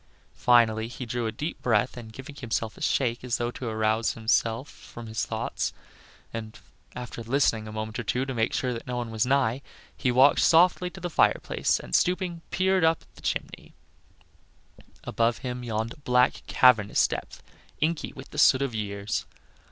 Finally he drew a deep breath, and giving himself a shake as though to arouse himself from his thoughts, and after listening a moment or two to make sure that no one was nigh, he walked softly to the fireplace, and stooping, peered up the chimney. Above him yawned a black cavernous depth, inky with the soot of years.